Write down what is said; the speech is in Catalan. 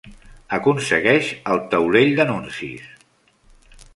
Aconsegueix el taulell d'anuncis!